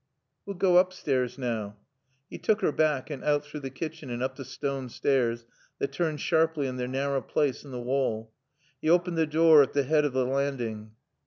"We'll goa oopstairs now." He took her back and out through the kitchen and up the stone stairs that turned sharply in their narrow place in the wall. He opened the door at the head of the landing.